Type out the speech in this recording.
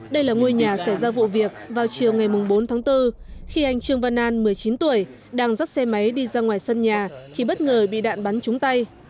đây là ngôi nhà xảy ra vụ việc vào chiều ngày bốn tháng bốn khi anh trương văn an một mươi chín tuổi đang dắt xe máy đi ra ngoài sân nhà thì bất ngờ bị đạn bắn trúng tay